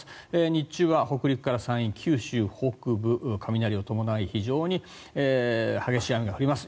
日中は北陸から山陰、九州北部雷を伴い非常に激しい雨が降ります。